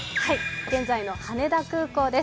現在の羽田空港です。